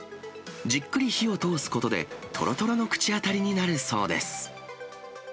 じっくり火を通すことで、とろとろの口当たりになるそうです。